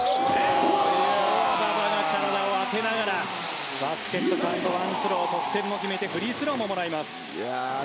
馬場が体を当てながらバスケットカウント得点も決めてフリースローももらいます。